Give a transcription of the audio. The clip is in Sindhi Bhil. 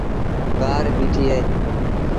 ڪآر بيٚٺيٚ اهي۔